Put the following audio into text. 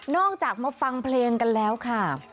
จากมาฟังเพลงกันแล้วค่ะ